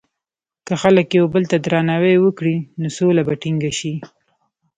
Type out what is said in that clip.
که خلک یو بل ته درناوی وکړي، نو سوله به ټینګه شي.